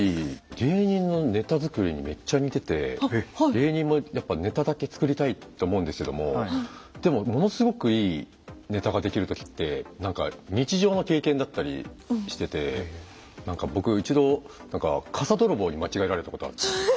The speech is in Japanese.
芸人もやっぱネタだけつくりたいって思うんですけどもでもものすごくいいネタができる時ってなんか日常の経験だったりしててなんか僕一度なんか傘泥棒に間違えられたことあって。